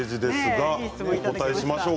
お答えしましょう。